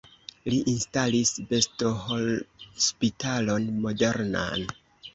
Li instalis bestohospitalon modernan.